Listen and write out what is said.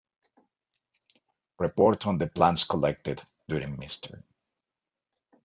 Report on the Plants collected during Mr.